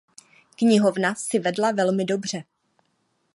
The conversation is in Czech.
Knihovna si vedla velmi dobře.